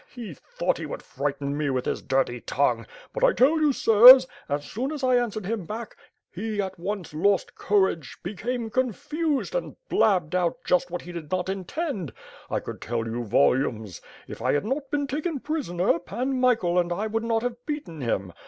he thought he would frighten me with his dirty tongue; but I tell you, sirs, as soon as I answered him back, he at once lost courage, became confused, and blabbed out just what he did not intend. I could tell you volumes! If I had not been taken prisoner, Pan Michael and I would not have beaten him.